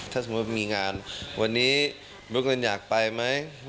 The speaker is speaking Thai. ถ้าสมมุติมีงานวันนี้บุ๊กเงินอยากไปไหม